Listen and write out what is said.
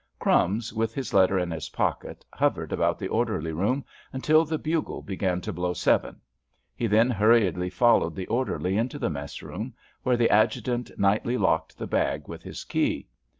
"Crumbs," with his letter in his pocket, hovered about the orderly room until the bugle began to blow seven. He then hurriedly followed the orderly into the mess room, where the adjutant nightly locked the bag with his key.